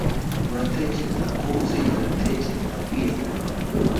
Uratekereza ko uzigera utekereza kwiyahura?